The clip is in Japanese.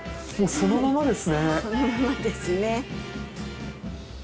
そのままですね。